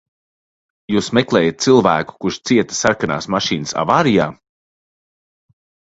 Jūs meklējat cilvēku, kurš cieta sarkanās mašīnas avārijā?